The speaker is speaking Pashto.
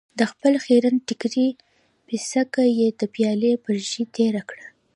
د خپل خيرن ټکري پيڅکه يې د پيالې پر ژۍ تېره کړه.